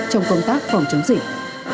trong công tác phòng chống dịch